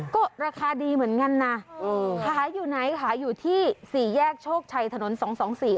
ก็ราคาดีเหมือนกันนะขายอยู่ไหนขายอยู่ที่สี่แยกโชคชัยถนนสองสองสี่